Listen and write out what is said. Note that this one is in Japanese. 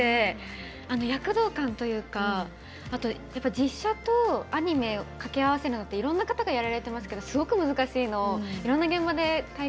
実写とアニメ掛け合わせるのっていろんな方がやられてますけどすごく難しいのをいろんな現場で体感していて。